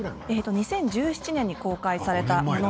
２０１７年に公開されました。